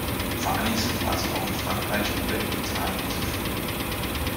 Vereinzelt war sie auch in Frankreich oder in Italien zu finden.